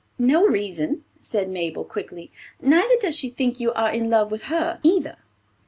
"No reason," said Mabel, quickly; "neither does she think you are in love with her either."